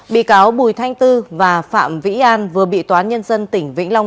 bị cáo bùi thanh tư và phạm vĩ an vừa bị toán nhân dân tỉnh vĩnh long